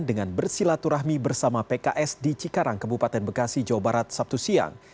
dengan bersilaturahmi bersama pks di cikarang kebupaten bekasi jawa barat sabtu siang